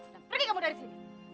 dan pergi kamu dari sini